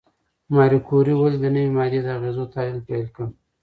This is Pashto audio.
ماري کوري ولې د نوې ماده د اغېزو تحلیل پیل کړ؟